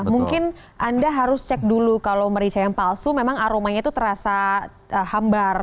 mungkin anda harus cek dulu kalau merica yang palsu memang aromanya itu terasa hambar